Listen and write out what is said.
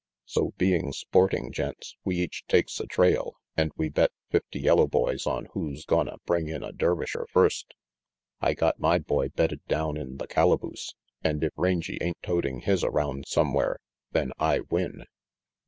So, being sporting gents, we each takes a trail and we bet fifty yellow boys on who's gonna bring in a Dervisher first. I got my boy bedded down in the calaboose, and if Rangy ain't toting his around somewhere, then I win."